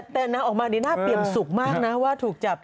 แต่นางออกมานี่น่าเปรียมสุขมากนะว่าถูกจับ